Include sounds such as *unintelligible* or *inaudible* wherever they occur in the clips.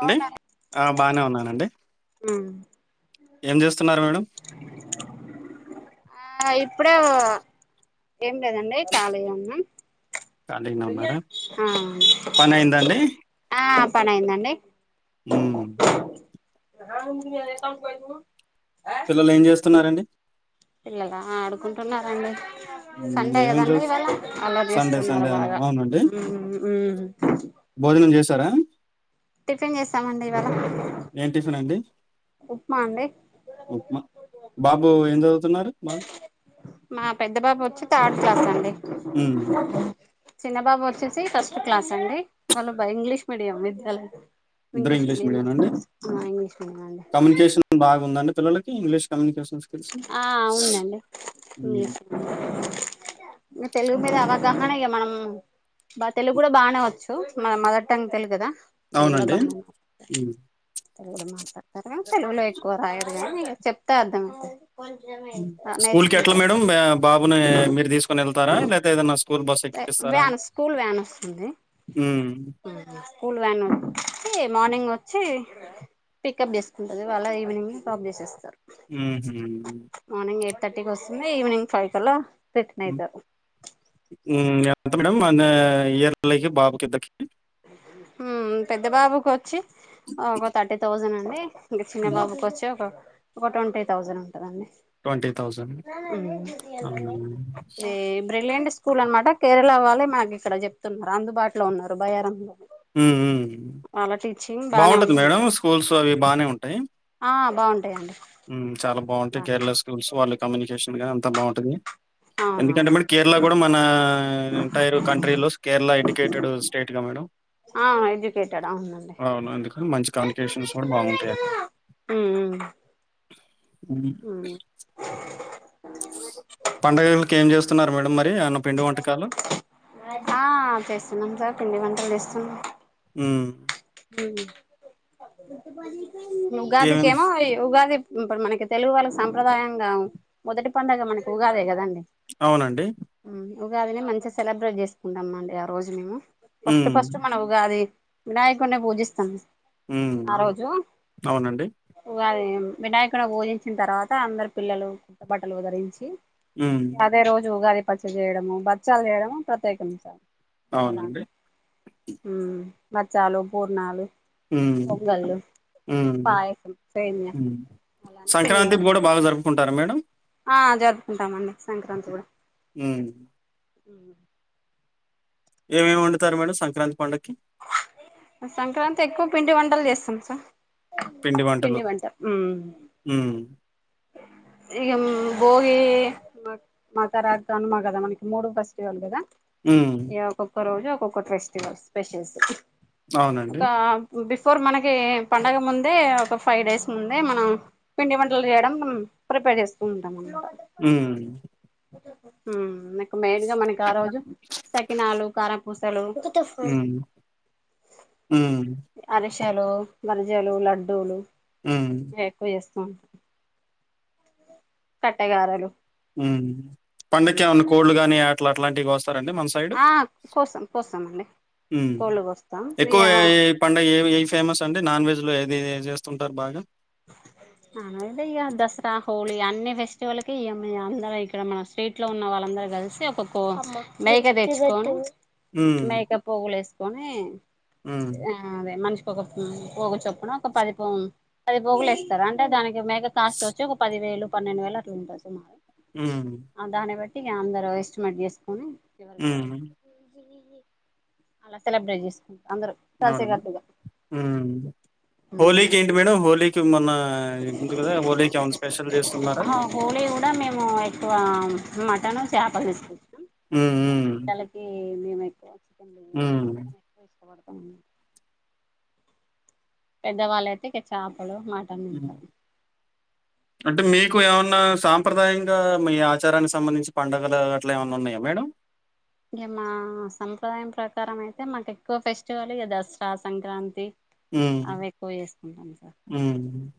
అండి ఆ బానే ఉన్నానండి ఉ ఏం చేస్తున్నార్ మేడం ఆ ఇప్పుడే ఒ ఏం లేదండి కాలీనె ఉన్నా ఖాళీగానే ఉన్నారా హుమ్ పని అయిందండి ఆ పనయిందండి మ్ *unintelligible* పిల్లలు ఏం చేస్తున్నారండి పిల్లల ఆడుకుంటున్నారండి ఉమ్, సండే ఏమేం కదండి చదువు ఇవాళ అల్లరి సండే చేస్తున్నారుా సండే అన్న బాగ అవునండి ఉమ్ ఉ భోజనం చేసార టిఫిన్ చేసామండి ఇవాళ ఏం టిఫిన్ అండి ఉప్మా అండి ఉప్మా బాబు ఎం చదువుతున్నారు బా మా పెద్ద బాబు ఒచ్చి థర్డ్ క్లాస్ అండి ఉమ్, చిన్నబాబు వచ్చేసి ఫస్ట్ క్లాస్ అండి వాళ్ళు బ ఇంగ్లీష్ మీడియం విద్యాలయం ఇద్దరు ఇంగ్లీష్ మీడియం అండి మ ఇంగ్లీష్ మంట కమ్యూనికేషన్ బాగుందండి పిల్లలకి ఇంగ్లీష్ కమ్యూనికేషన్స్ ఆ ఉందండి ఉంది ఉమ్, తెలుగు మీద అవ దహనే మనం బా తెలుగు కూడా బాగానేవచ్చు మన మదర్ టంగ్ తెలుగు గదా అలు కూడా అవునండి బాగా ఉమ్. తెలుడు మాట్లాడతారు తెలుగులో ఎక్కువ రాయడు గానీ చెప్తా అర్థం అయితే స్కూల్ కి ఎట్లా మేడం బాబుని మీరు తీసుకుని ఎళ్తారా లేకపోతే ఏదనా స్కూల్ బస్ ఎక్కిస్తారా వ్యాన్ స్కూల్ వ్యాన్ వస్తుంది ఉమ్, స్కూల్ వ్యాన్ మార్నింగ్ వ వచ్చి పికప్ చేసుకుంటది వాళ్ళ ఈవినింగ్ డ్రాప్ చేసేస్తారు ఆ హ మార్నింగ్ ఎయిట్ థర్టీకి వస్తుంది ఈవినింగ్ ఫైవ్ కల్లా రిటర్న్ అయితారు ఎంత మేడం అ ఏర్లైకి బాబకిందకు పెద్ద బాబుకు వచ్చి ఒక థర్టీ థౌజండ్ అండి ఇంక చిన్న బాబుకి వచ్చి ఒక ట్వంటీ థౌజండ్ ట్వంటీ థౌజండ్ అవునా ఎ బ్రీలియెంట్ స్టూ స్కూల్ అనమాట కేరళ వాళ్ళే మాకు ఇక్కడ చెప్తున్నారు అందుబాటులో ఉన్నారు బయారం టీచింగ్ బానే బాగుంటది ఉంటుంది మేడం స్కూల్స్ అవి బానే ఉంటాయి. ఆ బాగుంటాయండి చాలా బా బాగుంటాయి కేరళ స్కూల్స్ వాళ్ళు కమ్యూనికేషన్ గాని అంతా బాగుంటుంది ఎందుకంటే అవునవును మరి కేరళ కూడా మన ఎంటైర్ కంట్రీలోస్ కేరళ కెటెడు స్టేట్ గా మేడం ఆ ఎడ్యుకేటెడ్ అవుంనండి అవును అందుకని మంచి కమ్యూనికేషన్స్ కూడా బాగుంటాయి అక్కడ ఉ అ పండగలకి ఏం చేస్తున్నారు మేడ మరి అమన్న పిండి వంటకాలు ఆ చేస్తున్నాం సార్ పిండి వంటలు చేస్తున్నాం హ ఉగాది ఏమేం కేమో ఈ ఉగాది ఇప్పుడు మనకి తెలుగు వాళ్ళకి సంప్రదాయంగా మొదటి పడుగ మనకి ఊగాదే కదండి అవునండి ఉగాదిని మంచిగా సెలబ్రేట్ చేసుకుంటాంమండి ఆ రోజు మేము ఫస్ట్ మ్మ్, ఫస్ట్ మన ఉగాది వినాయకునే పూజిస్తాం మ్మ్. ఆ రోజు అవునండి ఉగాది వినాయకుడు పోజించిన తర్వాత అందరు పిల్లలు బట్టలు ధరించి మ్మ్, అదే రోజు ఉగాది పచ్చడి చేయడము బచ్చాలు చేయడము ప్రత్యేకమైంది అవునండి అలాగే బచ్చాలు పూర్ణాలు పొంగల్ లు ఉమ్ ఉమ్ అలానే సంక్రాంతి పిండి కూడా బాగా జరుపుకుంటారా మేడం ఆ జరుపుకుంటామండి సంక్రాంతి కూడా హ్మ్. ఏమేమి వండుతారు మేడం సంక్రాంతి పండుగకి సంక్రాంతి ఎక్కువ పిండి వంటలు లు చేస్తాం సార్ పిండి వంట హ్మ్. ఇగ భోగి మకర కనుమ గదా మనకి మూడు ఫెస్టివల్ గదా హ్మ్. ఇగ ఒక్కొక్క రోజు ఒక్కొక్క ఫెస్టివల్ స్పెషల్ అవునండి. ఒక డీఫ్ ఫోర్ మనకి పండగ ముందే ఒక ఫైవ్ డేస్ ముందే మనం పిండి వంటలు చేయడం ప్రిపేర్ చేస్తూ ఉంటాం హ్మ్. ఇకు మెయిన్ గా మనకి ఆ రోజు సకినాలు కారాపూసలు హ్మ్. హ్మ్. అరే పక్షలు మరిజలు లడ్డూలు హ్మ్. ఇ ఎక్కువ చేస్తూ ఉంటాం కట్టే కారలు ఉ పండగకే ఏమన్నా కోళ్లు గాని అట్లా అట్లాంటివి వస్త ఆ కోసాం కోస్తామండి కోళ్ళు కోస్తాం ఇగ ఎక్కువ పడుగ ఏ ఏ ఫేమస్ అంటే నాన్ వెజ్ లో ఇది చేస్తుంటారు బాగా అ ఏద ఈ దసరా హలీ అన్ని ఫస్ వాళ్ళకి అందర ఇక్కడ మన స్ట్రీట్ లో ఉన్న వాళ్ళందరు కలిసి ఒకొక్క బేక తెచ్చుకని హ్మ్. మేక పగులు వేసుకొని హ్మ్. ఆ అదే మనిషి ఒక పోగు చొప్పున ఒక పది ప పది పోగులు ఇస్తారు అంటే దానికి క మెగ కాస్ట్ వచ్చి ఒక పది వేలు పన్నెండు వేల అటువ ఉంటు మా హ్మ్ క అందా వయిస్ట్ మస్ హ్మ్ అలా సెలబ్రేట్ చేసుకు అవున హోలీకి ఏంటి మేడం హోలీకి మొన్న ఉంది కదా హోలీకి ఏమనా స్పెషల్ చేస్తున్నారా మటన్ చేపలు తీసుకొచ్చాం హ్మ్. ఇ హ్మ్. పిట్టలకి మేము ఎక్కువ చికన్ బిర్యాణి హ్మ్. అ ఎవ ఇష్టపడదు పెద్దవాళ్ళుయితే ఇ చేపలు మాటన్ హ్మ్. తింటారు అంటే మీకు ఏమన్నా సాంప్రదాయంగా మీ ఆచారానికి సంబంధించి పండడుగలు అట్ల ఏమన్నా ఉన్నాయా మేడం ఇక మా సంప్రదాయం ప్రకారం అయితే మాకు ఎక్కువ ఫెస్టివల్ ఇక దసరా సంక్రాంతి హ్మ్. అవి ఎక్కువ చేసుకుంటాను సార్ హ్మ్.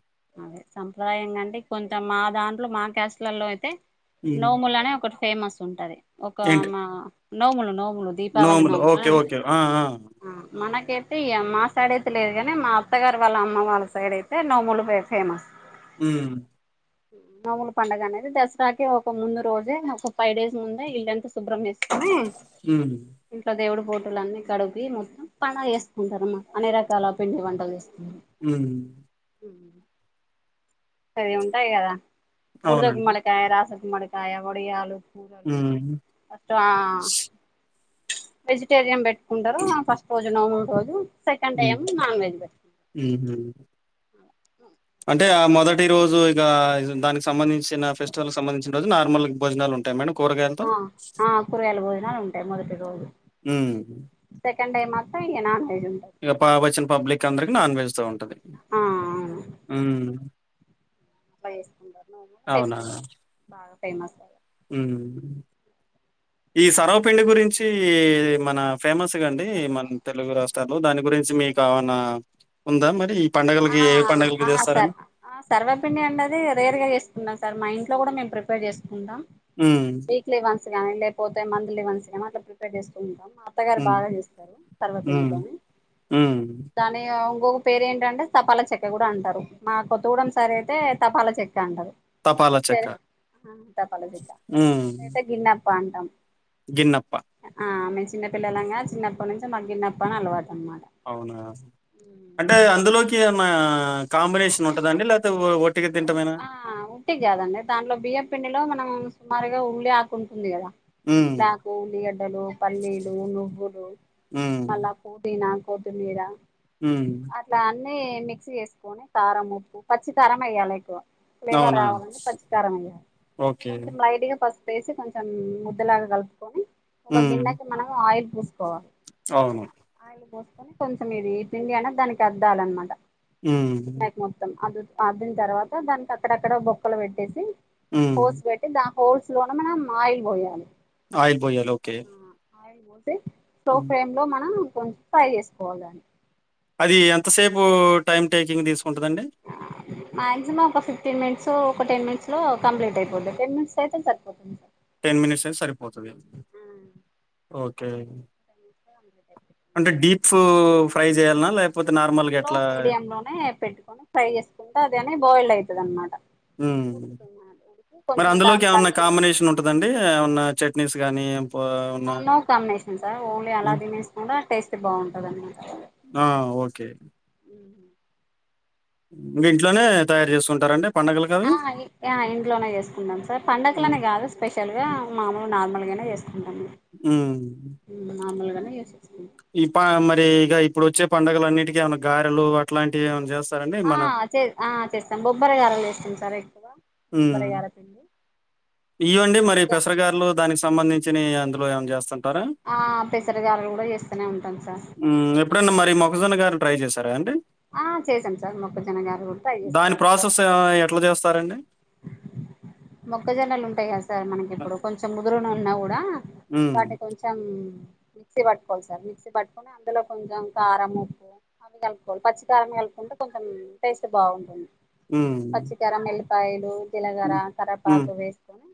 అదే సంప్రదాయ కంటే కొంత మా దాంట్లో మా క్యాస్లలో అయితే హ్మ్. నోములు అనే ఒకటి ఫేమస్ ఉంటది ఒక ఏంటి? మా నోములు నోము దీపావలీ నోములు ఓకే. ఓకే. ఆ! ఆ మన కేతి మా సైడ్ అయితే లేదు కాని మా అత్తగారు వాళ్ళ అమ్మ వాళ్ళ సైడ్ అయితే నోములు ఫేమస్ హ్మ్ నోముల పండుగ అనేది దసరాకి ఒక ముందు రోజే ఒక ఫైవ్ డేస్ ముందే ఇల్ళంతా శుభ్రంస్తారు కొని హ్మ్. ఇంట్లో దేవుడు బోటులన్నీ కడిపి మొత్తం పన చేస్తుంటారున్నమాట అనే రకాల పిండి వంటలు చేస్తు హ్మ్ ఉ అది ఉంటాయి కదా బడదకు అవునండి. గుమ్మడికాయ రాసే గుమ్మడికాయ వడియాలు హ్మ్. అ వెజిటేరియన్ బట్ పెట్కుంటారు ఫస్ట్ రోజు నవరు రోజు సెకండ్ ఏ హ్మ్. ఏం నాన్ వెజ్ పెట్టుంటారు హుహు. ఉ అంటే ఆ మొదటి రోజు ఇక దానికి సంబంధించిన ఫెస్టివల్ సంబంధించిన రోజు నార్మల్ భోజనాలు ఉంటాయి మేడం కూరగాయలతో? ఆ ఆ కురగాయలు భోజనాలు ఉంటాయి మొదటి రోజు హ్మ్ కండ మాత్రం ఇంగ న ఇక పాప వచ్చిన పబ్లిక్ అందరికి నాన్ వెజ్ తో ఉంటది ఆ అబ్బా వేసుకుంటారు టెస్ట్ బాగా ఫేమస్ అ హ్మ్ ఈ సరవపిండి గురించి మన ఫేమస్ అండి మన తెలుగు రాష్ట్రాల్లో దాని గురించి మీ కావన ఉందా మరి ఆ పండగలకి ఏ పండగలకి ఆ చేస్తారని సర్ సర్వపిండి అన్నది రార్ గా చేస్తున్నా సార్ మా ఇంట్లో కూడా మేము ప్రిపేర్ చేసుకుంటునం ఉమ్ వీక్లీ వన్ కానీ లేకతే మంత్లీ మంత్లీ వన్స్ కానీ అట్లా ప్రిపేర్ చేస్తూ ఉంటాం మా అత్తగారు ఉమ్ బాగా చేస్తారు ఉమ్ తర్వాతన్నితోని ఉమ్ దాని ఇంకొక పేరు ఏంటంటే తపాల చెక్క కూడా అంటారు మా కొ తూడం సరి అయితే తపాల చెక్క అంటారు తపాలా సర చెక్క తప్పలోజీత ఉమ్ అయితే గిన్నప్ప అంటాం గిన్నప్ప చిన్న పపిల్లలంగా చిన్నప్ప నుంచి మగ్గిన్నప్ప అని అలవాటు అనమాట అవునా అంటే అందులోకి కాంబినేషన్ ఉంటుందండి లేకపోతే ఓట్ ఆ ఉంటిటి కాదండి దాంట్లో బియ్య పిండిలో మనం సుమారుగా ఉల్లి ఆకుంటుంది కదా ఉమ్ నాకు ఉల్లిగడ్డలు పల్లీలు నువ్వులు ఉమ్ మళ్ళా కూడ నాకు కొత్తి మీరా హ్మ్మ్ అన్ని మిక్సీ చేసుకొని కారం ఉప్పు పచ్చి కా రం అయ్యాలి ఎక్వ ఫ్లేవర్ అవునా రావాలంటని పచ్చిికారం అయ్యాలి ఓకే కొంచెం లైట్ గా పసుపూ వేసి కొంచెం ముద్దలాగా కలుపుకొని ఒక ఉమ్ గిన్నెకి మనం ఆయిల్ పూసుకోవాలి అవును ఆయిలు పోసుకొని కొంచెం ఇది తిండి అనే దానికి అర్ద్దాల అన్నమాట వియ హ్మ్. మొత్తం అ అద్దిన తర్వాత దానికి అక్కడక్కడ బొక్కలు పెట్టేసి హ్మ్. హోల్స్ పెట్టి దా హోల్స్ లోనే మనం ఆయిలు పోయాలి ఆయిదు పోయాలి ఓకే పోపు హ్మ్. వేసి మనం కొంచం ఫ్రై చేసుకోవాలి దన్ని అది ఎంతసేపు టైమ్ టేకింగ్ తీసుకు మాక్సిమం ఒక ఫిఫ్టీన్ మినిట్స్ ఒక టెన్ మినిట్స్ లో కంప్లీట్ అయిపోంది టెన్ినిట్స్ అయితే సరిపోతుంది టెన్ మినిట్స్ అయితే సరిపోతుంది ఓకే అంటే అ డీప్ ఫ్రై చేయాలనా లేకపోతే నార్మల్‌గా స్లో ఎట్లా? మీడియ లోనే పెట్టుకొని ఫ్రై చేసుకుంటే అలానే బాయిల్ అవుతుది అనమాట ఉడుకుతుంది ఉడికి మరి కొంచెం అందులోకి దాని ఏమన్నా మీద కాంబినేషన్ ఉంటందండి ఏమన్నా చెట్ న్స్ కానీ నో కాంబినేషన్ సార్ ఓన్లీ ఆ! అలా తినేసినా కుడా టేస్ట్ బాగుంటది అన్నమాట ఆ ఓకే మీ ఇంట్లోనే తయారు చేస్తుంటారా అండి ఆ ఇంట్లోనే చేసుకుంటాం సార్ హ్మ్. పండగలనే కాదు స్పెషల్ గా మామూలు నార్మల్గానే చేస్త ట హ్మ్. మామలుగానే చేసు ఇ మరి ఇక ఇప్పుడు వచ్చే పండుగలు అన్నింటిక ఏమనా గారెలు అట్లాంటివి ఏమనా చేస్త ఆ చే ఆ చేస్తాం బొబ్బరి గారలు చేస్తాం సార్ ఎక్కువ బొబ్బరి గార తిండి ఇవ్వండి మరి పెసరగారులు దానికి సంబంధించినివి అందులో ఏమం చేస్తాను ా ఆ పెసర గారెలు కూడా చేస్తూనే ఉంటాం సార్ ఎప్పుడన్నా మరి మొగజొన్న గారిని ట్రై చేసారా అండి ఆ చేశాం సార్ మొక్కజొన్న గారు కూడా అది దాని చేసాను ప్రాసెస్ ఆ, ఎట్లా చేస్తారండి మొగక్కజొనాలు ఉంటాయి కదా సార్ మనకి ఇప్పుడు కొంచెం ముదురును ఉన్నా కూడా మ్మ్, వాటి కొంచెం మిక్సీ పట్కోవాలి సార్ మిక్సీ పట్టుకొని అందులో కొంచెం కారం ఉప్పు అవి కలుపువాలి పచ్చి కారం కలుపువాలి టే కొంచెం టేస్ట్ బాగుంటుంది మ్మ్, పచ్చికారం ఎ ల్లిపాయలు జీలకర్ర మ్మ్, కర్రపాకు వేసుకొని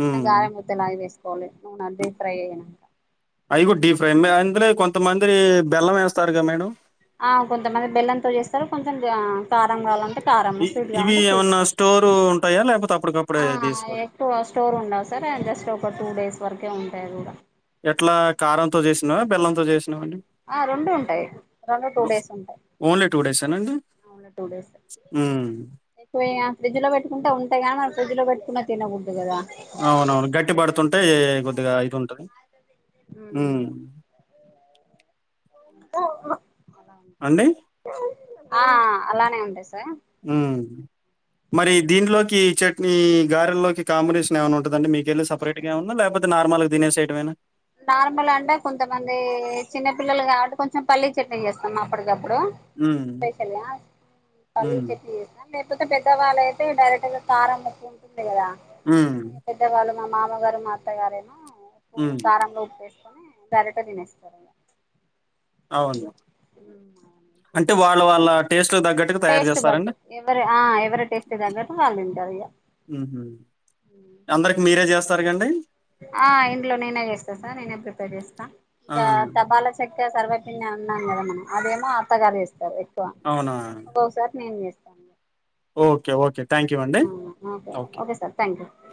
చిన్న గారం ముద్ద లాగ వేసుకోవాలి నూనె డీప్ ఫ్రై అయినాక అవి కూడా డీ ఫ్రై కొంత మంది ఆ కొంతమంది బెల్లంతో చేస్తారు కొంచెం కారం కావాలంటే కారమ్మ ఇ- స్వీట్ ఇవి కామంటే స్వీట్ ఏమన్నా స్టోర్ ఉంటాయా లేకపోతే అప్పటికప్పుడే తీసుకోవాలి ఎక్కువ స్టోర్ ఉండవు సార్ జస్ట్ ఒక టూ డేస్ వరకే ఉంటాయి కూడా ఎట్లా కారంతో చేసినవ బెల్లంతో చేసినా ఆ రెండు ఉంటాయి రెండు టూ డేస్ ఉంటాయి తన అండి అవును టూ డేస్ ఆ ఎక్కువ ఫ్రిడ్జ్ లో పెట్టుకుంటే ఉంటాయా కానీ మన ఫ్రిడ్జ్ లో పెట్టుకుఉన్న అవును అవును గట్టి పడుతుంటే ఏ కొద్దిగా అయితు ఉంటది మ్ ఓ ఓ అండే ఆ అలానే ఉంటది అసల్ ఉ మరి దీంట్లోకి చట్నీ గారెల్లోకి కాంబినేషన్ ఏమైన ఉంటద అండి మీకెళ్ళి సపరేట్ గా ఏమ అన్నా లేకపోతే నార్మల్గా తినేసేయటమేనా నార్మల్ అంటే కొంతమంది చిన్న పిల్లలు కాబట్టి కొంచెం పల్లీ చట్నీ చేస్తాం అప్పటి ఇగ అప్పుడు హ్మ్. స్పెషల్గా పల్లి హ్మ్. చట్నీ చేస్తా లేకపోతే పెద్దవాళ్ళ అయితే డైరెక్ట్ గా కారం మకు ఉంటుంది కదా హ్మ్. పెద్దవాళ్ళు మా మామగారు మా అత్తగారే నూ మ్ కారంలో ఉప్పు ఏసుకొని గరేట్ తినేస్తారు అవును అంటే వాళ్ళ వాళ్ళ టేస్ట్ టేస్ట్ బట్టి ఎవరి ఆ ఎవరి టేస్ట్ తగ్గట్టు వాళ్ళు ఉంటారు ఇగ ఉహు అందరికి మీరే చేస్తార్ గ అండి ఆ ఇంట్లో నేనే చేస్తా సార్ నేనే ప్రిపేర్ చేస్తా ఆ! తబాలా చక్ అ సర్వటి నేను అన్నాను కదా మన అదేమో అత్తగారు చేస్తారు ఎక్కువ అవునా! ఒక్కొక్ సారి నేన్ చేస్తా. ఓకే. ఓకే. థాంక్యూ అండి. అ అ okay sir thank you okay.